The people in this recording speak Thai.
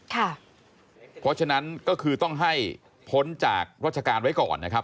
เพราะฉะนั้นก็คือต้องให้พ้นจากราชการไว้ก่อนนะครับ